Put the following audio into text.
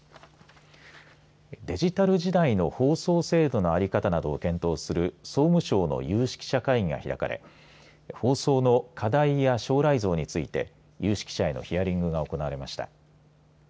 デジタル時代の放送制度のあり方などを検討する総務省の有識者会議が開かれ放送の課題や将来像について有識者へのヒアリングが行われました。